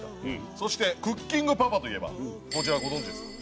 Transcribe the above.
そして『クッキングパパ』といえばこちらご存じですか？